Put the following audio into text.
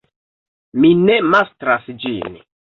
Mi ne mastras ĝin.